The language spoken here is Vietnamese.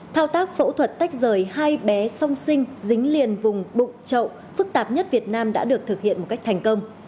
thao tác phẫu thuật tách rời hai bé song sinh dính liền vùng bụng chậu phức tạp nhất việt nam đã được thực hiện một cách thành công